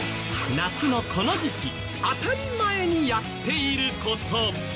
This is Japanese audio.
夏のこの時期当たり前にやっている事。